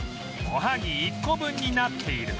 おはぎ１個分になっている